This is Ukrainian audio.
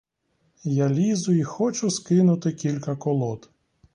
Я лізу й хочу скинути кілька колод.